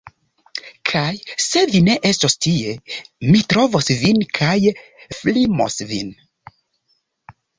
Kaj se vi ne estos tie, mi trovos vin kaj flimos vin.